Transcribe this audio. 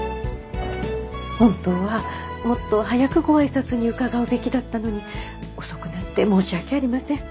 本当はもっと早くご挨拶に伺うべきだったのに遅くなって申し訳ありません。